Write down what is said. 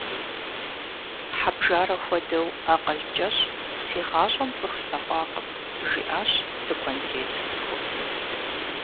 Хьэжбарэ хуэдэу акъыл кӀэщӀ си гъащӀэм цӀыху слъэгъуакъым, – жиӀащ тыкуэнтет цӀыхубзым.